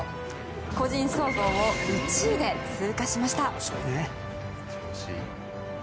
個人総合を１位で通過しました。